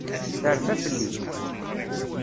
Terfa fell-i.